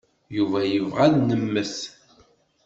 Yuba yebɣa ad nemmet.